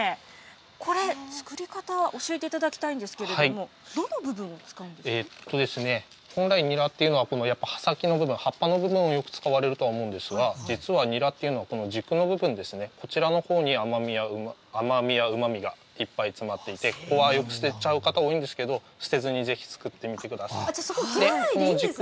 これ、作り方、教えていただきたいんですけれども、どの部分を使本来、ニラっていうのはこの葉先の部分、葉っぱの部分をよく使われるとは思うんですが、実はニラっていうのはこの軸の部分ですね、こちらのほうに甘みやうまみがいっぱい詰まっていて、ここはよく捨てちゃう方、多いんですけど、捨てずにぜひ作ってみてください。